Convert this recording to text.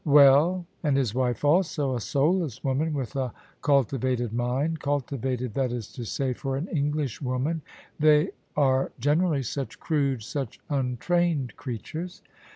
"" Well : and his wife also : a soulless woman with a culti vated mind — cultivated, that is to say, for an English woman. They are generally such crude, such untrained creatures."